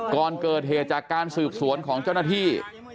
ก่อนเกิดเหตุจากการสืบสวนของเจ้าหน้าที่